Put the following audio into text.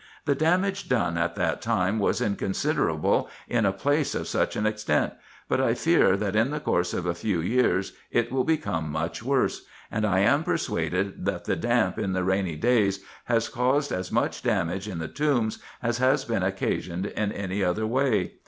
The damage done at that time was inconsiderable in a place of such an extent ; but I fear, that in the course of a few years it will become much worse; and I am persuaded, that the damp in the rainy days has caused as much damage in the tombs as has been occasioned in any other way.